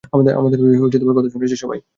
আমাদের কথা শুনেছে সবাই?